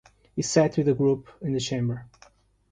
He sat with the group in the chamber.